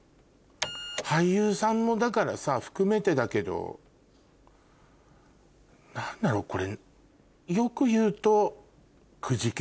俳優さんもだからさ含めてだけど何だろうこれ。